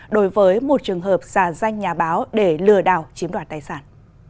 đối với một trường hợp giả danh nhà báo để lừa đảo chiếm đoạt tài sản